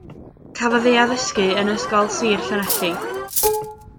Cafodd ei addysgu yn Ysgol Sir Llanelli.